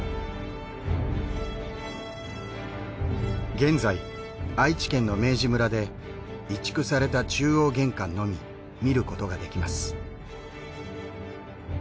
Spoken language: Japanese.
現在愛知県の明治村で移築された中央玄関のみ見ることができます。